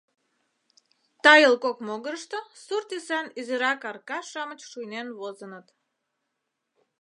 Тайыл кок могырышто сур тӱсан изирак арка-шамыч шуйнен возыныт.